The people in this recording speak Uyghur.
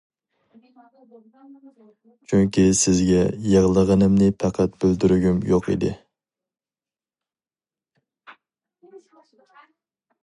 چۈنكى سىزگە يىغلىغىنىمنى پەقەت بىلدۈرگۈم يوق ئىدى.